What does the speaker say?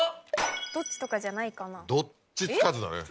どっちとかじゃないかな？